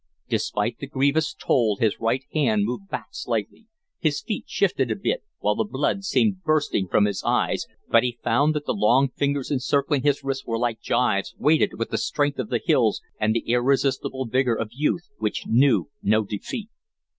Despite the grievous toil his right hand moved back slightly. His feet shifted a bit, while the blood seemed bursting from his eyes, but he found that the long fingers encircling his wrist were like gyves weighted with the strength of the hills and the irresistible vigor of youth which knew no defeat.